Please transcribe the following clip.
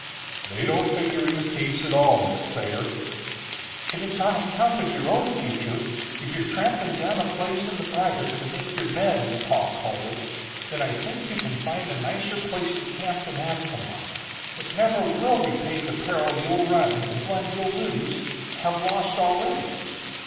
"They don't figure in the case at all, Miss Thayer." "If it's on account of your own future, if you're trampling down a place in the briars to make your bed, as pa called it, then I think you can find a nicer place to camp than Ascalon. It never will repay the peril you'll run and the blood you'll lose have lost already."